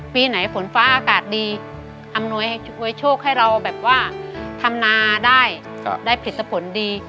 ปีไหนฝนฟ้าอากาศดีอำนวยโชคให้เราแบบว่าทำนาได้ได้ผลิตผลดี